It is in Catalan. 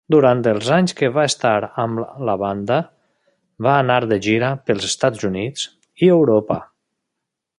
Durant els anys que va estar amb la banda, va anar de gira pels Estats Units i Europa.